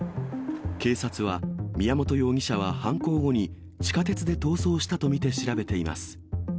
警察は、宮本容疑者は犯行後に地下鉄で逃走したと見て調べています。